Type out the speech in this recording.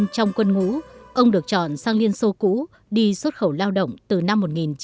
trong quân ngũ ông được chọn sang liên xô cũ đi xuất khẩu lao động từ năm một nghìn chín trăm tám mươi